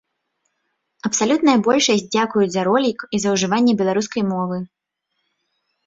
Абсалютная большасць дзякуюць за ролік і за ўжыванне беларускай мову.